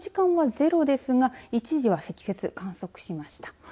この時間０ですが一時期は積雪を観測しました。